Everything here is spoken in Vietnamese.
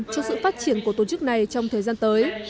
cho sự phát triển của tổ chức này trong thời gian tới